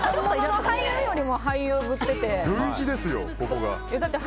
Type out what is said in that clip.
本物よりも俳優ぶってて。